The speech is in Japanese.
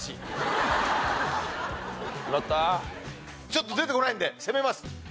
ちょっと出てこないんで攻めます。